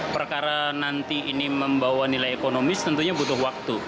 perkara nanti ini membawa nilai ekonomis tentunya butuh waktu